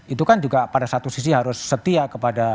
itu kan juga pada satu sisi harus setia kepada